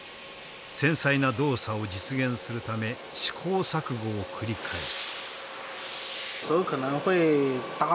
繊細な動作を実現するため試行錯誤を繰り返す。